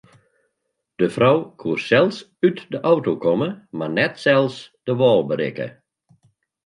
De frou koe sels út de auto komme mar net sels de wâl berikke.